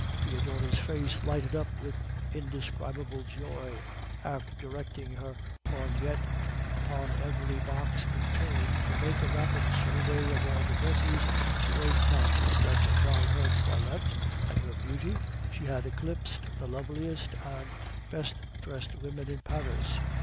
Foedora's face lighted up with indescribable joy. After directing her lorgnette upon every box in turn, to make a rapid survey of all the dresses, she was conscious that by her toilette and her beauty she had eclipsed the loveliest and best dressed women in Paris.